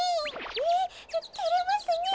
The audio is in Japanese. えってれますねえ。